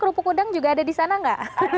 kerupuk udang juga ada di sana nggak